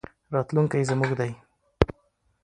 راتلونکی زموږ دی.